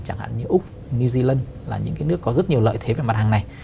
chẳng hạn như úc new zealand là những cái nước có rất nhiều lợi thế về mặt hàng này